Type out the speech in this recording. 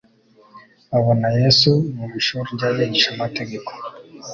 Babona Yesu mu ishuri ry'abigishamategeko.